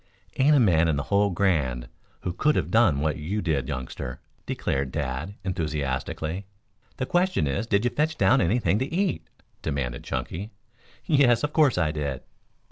"Ain't a man in the whole Grand who could have done what you did, youngster," declared Dad enthusiastically. "The question is, did you fetch down anything to eat?" demanded Chunky. "Yes, of course I did."